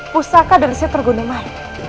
pusaka dari seter gondemai